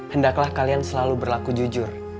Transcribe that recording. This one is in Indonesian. hendaklah kalian selalu berlaku jujur